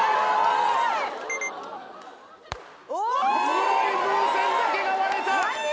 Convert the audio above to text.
黒い風船だけが割れた！